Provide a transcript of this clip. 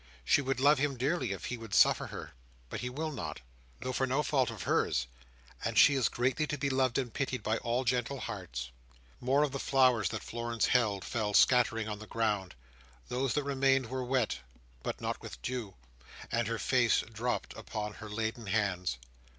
She would love him dearly if he would suffer her, but he will not—though for no fault of hers; and she is greatly to be loved and pitied by all gentle hearts." More of the flowers that Florence held fell scattering on the ground; those that remained were wet, but not with dew; and her face dropped upon her laden hands.